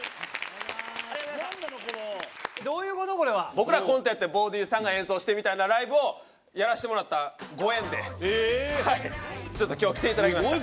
僕らコントやってＢＡＷＤＩＥＳさんが演奏してみたいなライブをやらせてもらったご縁でちょっと今日来ていただきました。